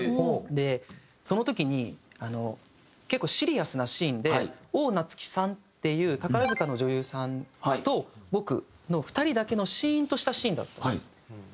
でその時に結構シリアスなシーンで旺なつきさんっていう宝塚の女優さんと僕の２人だけのしーんとしたシーンだったんですよ。